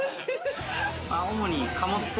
主に貨物船。